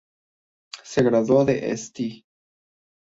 Se graduó de St.